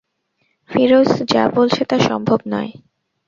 ফিরোজ যা বলছে তা সম্ভব নয়।